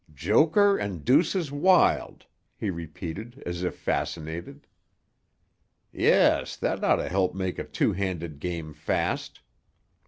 "Joker and deuces wild," he repeated as if fascinated. "Yes, that ought to help make a two handed game fast."